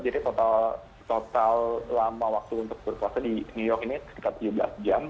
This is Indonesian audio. jadi total lama waktu untuk berpuasa di new york ini sekitar tujuh belas jam